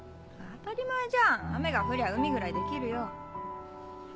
当たり前じゃん雨が降りゃ海ぐらいできるよ。